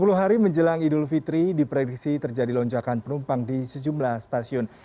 sepuluh hari menjelang idul fitri diprediksi terjadi lonjakan penumpang di sejumlah stasiun